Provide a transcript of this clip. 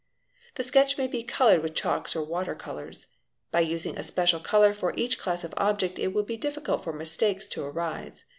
a The sketch may be coloured with chalks or water colours. By using a special colour for each class of object it will be difficult for mistakes 1 to arise.